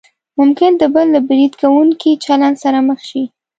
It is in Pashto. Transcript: ممکن د بل له برید کوونکي چلند سره مخ شئ.